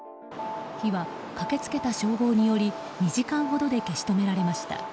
火は駆け付けた消防により２時間ほどで消し止められました。